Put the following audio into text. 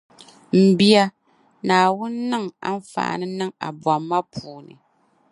M bia, Naawuni niŋ anfaani niŋ a bomma puuni.